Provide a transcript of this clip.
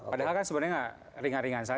padahal kan sebenarnya nggak ringan ringan saja